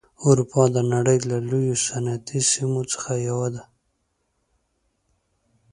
اروپا د نړۍ له لویو صنعتي سیمو څخه یوه ده.